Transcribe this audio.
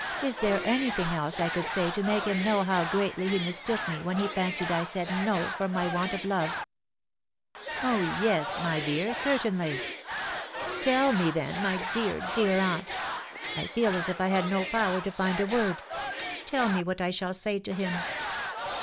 " Is there any thing else I could say to make him know how greatly he mistook me when he fancied I said no from my want of love ?"" Oh yes ! my dear, certainly/' " Tell me then, my dear, dear aunt !.... I feel as if I had no power to find a word .... tell me what I shall say to him."